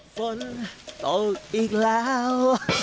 ฝนตกอีกแล้ว